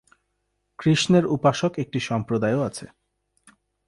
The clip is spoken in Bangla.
কৃষ্ণের উপাসক একটি সম্প্রদায়ও আছে।